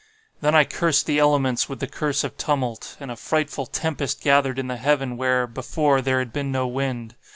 "Then I cursed the elements with the curse of tumult; and a frightful tempest gathered in the heaven where, before, there had been no wind.